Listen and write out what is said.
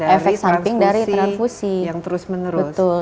efek samping dari transfusi yang terus menerus